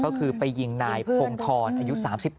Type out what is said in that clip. ก็คือไปยิงนายพงธรอายุ๓๘